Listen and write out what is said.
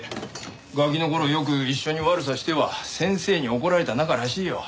ガキの頃よく一緒に悪さしては先生に怒られた仲らしいよ。